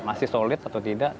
masih solid atau tidak